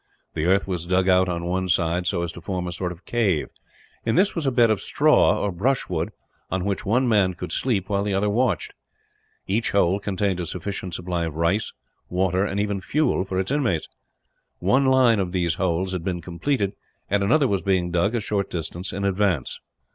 The earth was dug out on one side so as to form a sort of cave. In this was a bed of straw or brushwood, on which one man could sleep, while the other watched. Each hole contained a sufficient supply of rice, water, and even fuel for its inmates. One line of these holes had been completed, and another was being dug a short distance in advance.